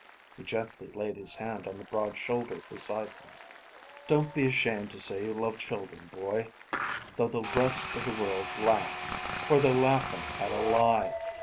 He gently laid his hand on the broad shoulder beside him. "Don't be ashamed to say you love children, boy, though the rest of the world laugh, for they're laughing at a lie.